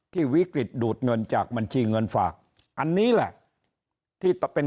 วิกฤตดูดเงินจากบัญชีเงินฝากอันนี้แหละที่เป็น